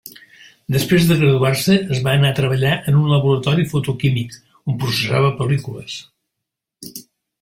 Després de graduar-se es va anar a treballar en un laboratori fotoquímic, on processava pel·lícules.